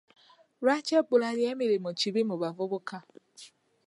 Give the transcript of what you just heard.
Lwaki ebbula ly'emirimu kibi mu bavubuka?